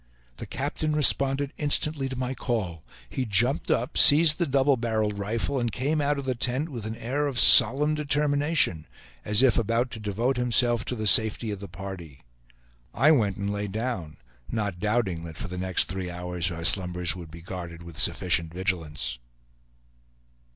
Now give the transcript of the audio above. The captain responded instantly to my call; he jumped up, seized the double barreled rifle, and came out of the tent with an air of solemn determination, as if about to devote himself to the safety of the party. I went and lay down, not doubting that for the next three hours our slumbers would be guarded with sufficient vigilance.